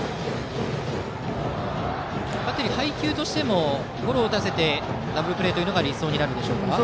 バッテリー、配球としてもゴロを打たせてダブルプレーというのが理想になるでしょうか？